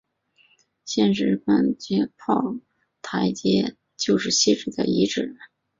现时官涌街和炮台街就是昔日的遗址。